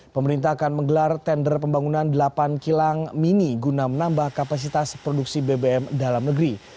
pemerintah akan menggelar tender pembangunan delapan kilang mini guna menambah kapasitas produksi bbm dalam negeri